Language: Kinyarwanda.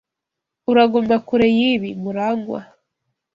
Uraguma kure yibi, Murangwa.